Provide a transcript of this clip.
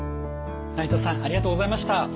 内藤さんありがとうございました。